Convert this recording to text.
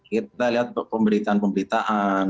kita lihat pemberitaan pemberitaan